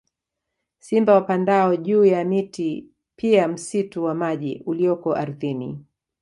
Simba wapandao juu ya miti pia msitu wa maji ulioko ardhini